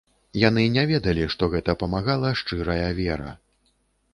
Яны не ведалі, што гэта памагала шчырая вера.